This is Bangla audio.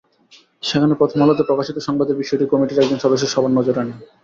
সেখানে প্রথম আলোতে প্রকাশিত সংবাদের বিষয়টি কমিটির একজন সদস্য সভার নজরে আনেন।